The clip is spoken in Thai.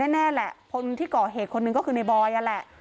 แน่แหละคนที่ก่อเหตุคนหนึ่งก็คือในบอยนั่นแหละ